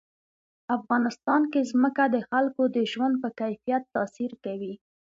افغانستان کې ځمکه د خلکو د ژوند په کیفیت تاثیر کوي.